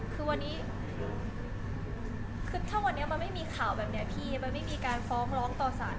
คือวันนี้คือถ้าวันนี้มันไม่มีข่าวแบบนี้พี่มันไม่มีการฟ้องร้องต่อสาร